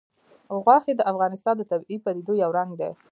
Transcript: غوښې د افغانستان د طبیعي پدیدو یو رنګ دی.